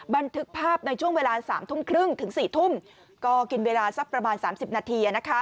บันทึกภาพในช่วงเวลา๓๓๐๔๐๐ก็กินเวลาสักประมาณ๓๐นาที